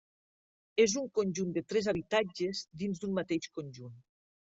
És un conjunt de tres habitatges dins d'un mateix conjunt.